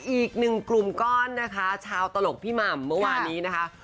อีกหนึ่งกลุ่มก้อนนะคะชาวตลกพี่หม่ำเมื่อวานนี้นะคะ